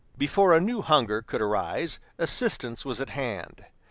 Before a new hunger could arise, assistance was at hand.